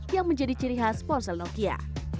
yang menjadi ciri khas ponsel nokia